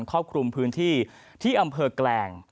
ครอบคลุมพื้นที่ที่อำเภอแกลง